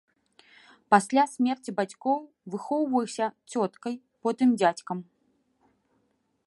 Пасля смерці бацькоў выхоўваўся цёткай, потым дзядзькам.